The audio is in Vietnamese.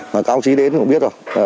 mà cao trí đến cũng biết rồi